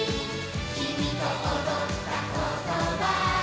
「きみとおどったことは」